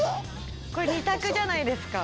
これ２択じゃないですか？